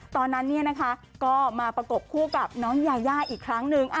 ตอนนั้นก็มาประกบคู่กับน้องยายาอีกครั้งหนึ่ง